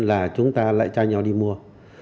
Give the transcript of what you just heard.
giả chúng ta lại tra nhau đi mua